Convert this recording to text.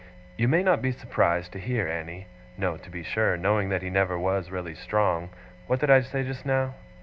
"You may not be surprised to hear, Annie," no, to be sure, knowing that he never was really strong; what did I say just now?